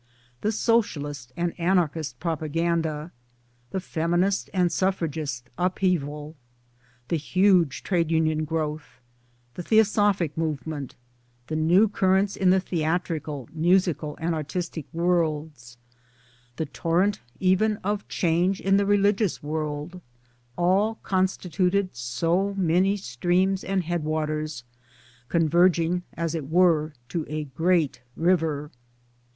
The Socialist and Anarchist propaganda, the Feminist and Suffragist upheaval, the huge Trade union growth, the Theo sophic movement, the new currents in the Theatrical, Musical and Artistic worlds, the torrent even of change in the Religious world all constituted so many streams and headwaters converging, as it were, to a great river.